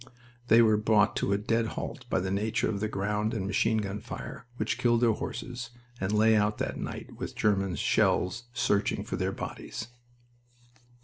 They were brought to a dead halt by the nature of the ground and machine gun fire which killed their horses, and lay out that night with German shells searching for their bodies.